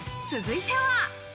続いては。